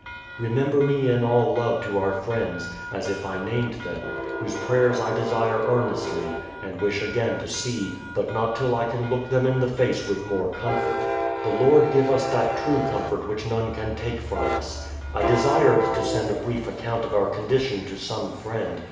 Remember me in all love to our friends, as if I named them, whose prayers I desire earnestlj^ and wish again to see, but not till I can look them in the face with more comfort. The Lord give us that true comfort which none can take from us. I desired to send a brief account of our condition to some friend.